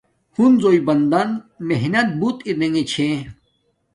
ہنزوݵ بندن محنت بوت اریگے چھے